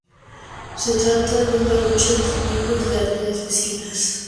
Se trata de una lucha entre miembros de aldeas vecinas.